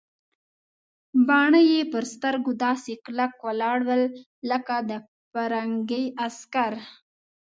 باڼه یې پر سترګو داسې کلک ولاړ ول لکه د پرنګي عسکر.